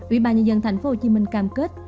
ủy ban nhà dân thành phố hồ chí minh cam kết